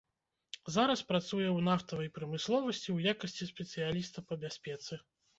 Зараз працуе ў нафтавай прамысловасці ў якасці спецыяліста па бяспецы.